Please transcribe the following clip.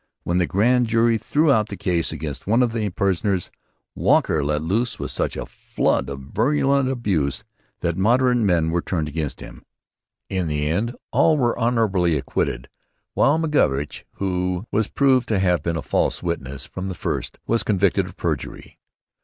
When the grand jury threw out the case against one of the prisoners Walker let loose such a flood of virulent abuse that moderate men were turned against him. In the end all the accused were honourably acquitted, while McGovoch, who was proved to have been a false witness from the first, was convicted of perjury.